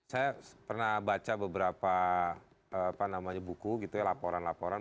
saya pernah baca beberapa buku gitu ya laporan laporan